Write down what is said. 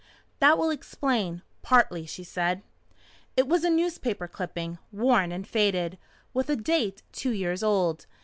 "That will explain partly," she said. It was a newspaper clipping, worn and faded, with a date two years old.